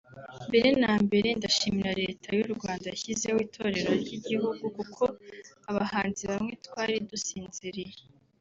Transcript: Mbere na mbere ndashimira Leta y’u Rwanda yashyizeho itorero ry’igihugu kuko abahanzi bamwe twari dusinziriye